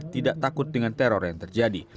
tidak takut dengan teror yang terjadi